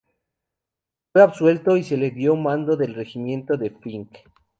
Fue absuelto y se le dio el mando del regimiento de Finck.